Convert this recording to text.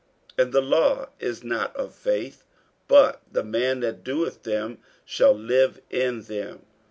48:003:012 And the law is not of faith: but, The man that doeth them shall live in them.